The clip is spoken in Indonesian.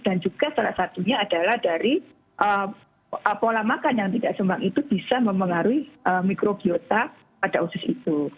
dan juga salah satunya adalah dari pola makan yang tidak sembang itu bisa mempengaruhi mikrobiota pada usus itu